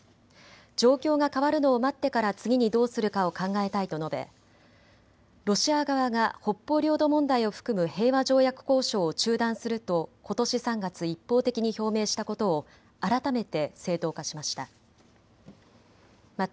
状況が変わるのを待ってから次にどうするかを考えたいと述べロシア側が北方領土問題を含む平和条約交渉を中断するとことし３月、一方的に表明したことを改めて正当化しました。